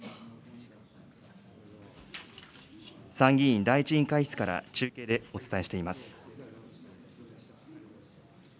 参議院第１委員会室から中継でお伝えしています。